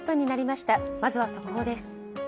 まずは速報です。